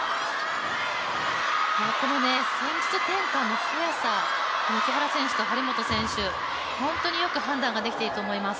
この戦術転換の速さ、木原選手と張本選手、本当によく判断ができていると思います。